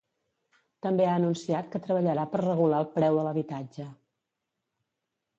També ha anunciat que treballarà per regular el preu de l'habitatge.